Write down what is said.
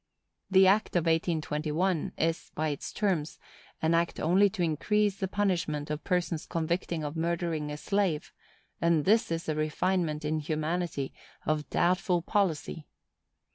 The act of 1821 is, by its terms, an act only to increase the punishment of persons convicted of murdering a slave,—and this is a refinement in humanity of doubtful policy.